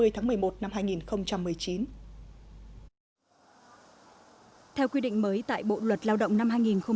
theo quy định mới tại bộ luật lao động năm hai nghìn một mươi